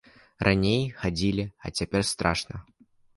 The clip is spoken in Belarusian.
Раней хадзілі, а цяпер страшна.